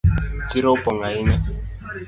Chiro opong ahinya